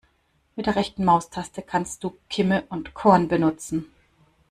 Mit der rechten Maustaste kannst du Kimme und Korn benutzen.